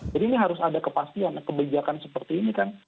jadi ini harus ada kepastian kebijakan seperti ini kan